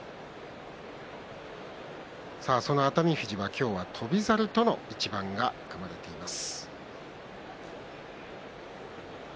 その熱海富士は今日は翔猿との一番が組まれています。